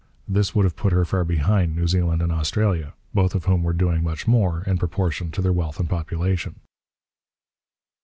This would have put her far behind New Zealand and Australia, both of whom were doing much more, in proportion to their wealth and population.